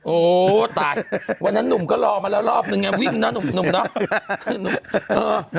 โอ้ตายวันนั้นหนุ่มก็รอมาแล้วรอบนึงไงวิ่งเนอะหนุ่มเนาะ